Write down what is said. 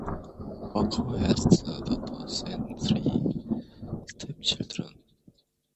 Walker has two daughters and three stepchildren.